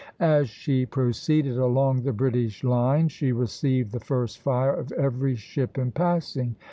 As she proceeded along the British line, she received the first fire of every ship in passing.